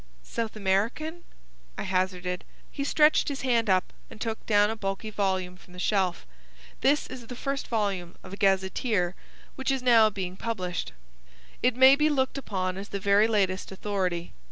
"South American," I hazarded. He stretched his hand up, and took down a bulky volume from the shelf. "This is the first volume of a gazetteer which is now being published. It may be looked upon as the very latest authority.